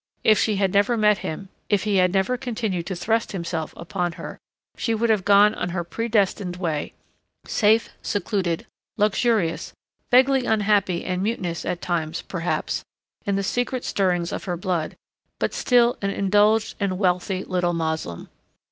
If she had never met him, if he had never continued to thrust himself upon her, she would have gone on her predestined way, safe, secluded, luxurious vaguely unhappy and mutinous at times, perhaps, in the secret stirrings of her blood, but still an indulged and wealthy little Moslem.